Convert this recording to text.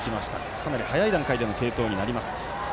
かなり早い段階での継投になります。